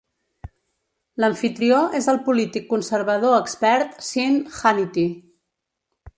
L'amfitrió és el polític conservador expert Sean Hannity.